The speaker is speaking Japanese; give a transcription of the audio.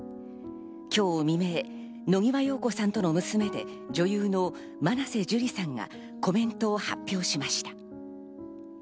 今日未明、野際陽子さんとの娘で女優の真瀬樹里さんがコメントを発表しました。